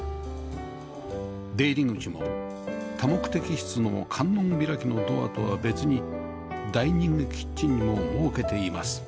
出入り口も多目的室の観音開きのドアとは別にダイニングキッチンにも設けています